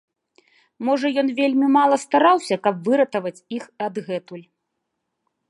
Можа ён вельмі мала стараўся, каб выратаваць іх адгэтуль!